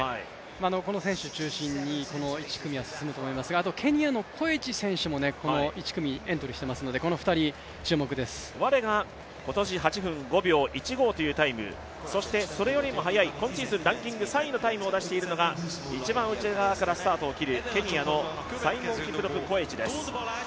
この選手中心に１組は進むと思いますがあとケニアのコエチ選手も１組にエントリーしてますのでワレが今年８分１５というタイム、そしてそれよりも速い今シーズンランキング３位のタイムを出しているのが一番内側から、スタートを切る、ケニアのサイモンキプロプ・コエチ。